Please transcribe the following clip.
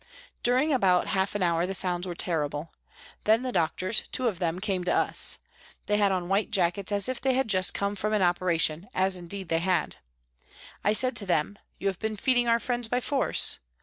During about half an hour the sounds were terrible. Then the doctors, two of them, came to us. They had on white jackets, as if they had just come from an operation, as indeed they had. I said to them, " You have been feeding our friends by force